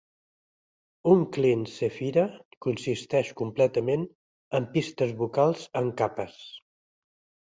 "Unclean Sephira" consisteix completament en pistes vocals en capes.